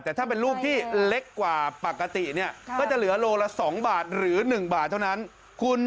แต่ถ้าเป็นลูกที่เล็กกว่าปกติเนี่ยก็จะเหลือโลละ๒บาทหรือ๑บาทเท่านั้น